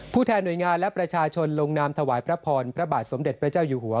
แทนหน่วยงานและประชาชนลงนามถวายพระพรพระบาทสมเด็จพระเจ้าอยู่หัว